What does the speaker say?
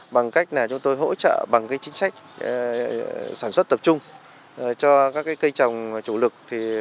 bằng cách này chúng tôi hỗ trợ bằng cái chính sách sản xuất tập trung cho các cái cây trồng chủ lực